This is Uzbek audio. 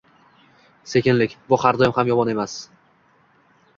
Sekinlik - bu har doim ham yomon emas